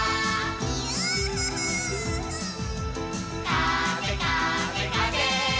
「かぜかぜかぜ」